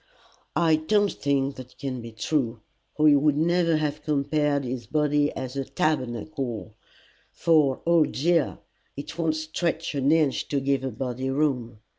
"I don't think that can be true, or he would never have compared his body to a tabernacle, for, oh dear! it won't stretch an inch to give a body room.